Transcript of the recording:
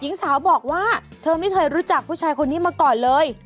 หญิงสาวบอกว่าเธอไม่เคยรู้จักผู้ชายคนนี้มาก่อนเลย